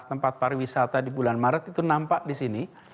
tempat pariwisata di bulan maret itu nampak di sini